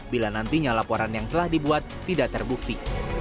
bila nantinya laporan yang telah dibuat tidak terbukti